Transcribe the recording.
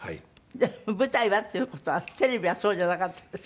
でも舞台はっていう事はテレビはそうじゃなかったんですか？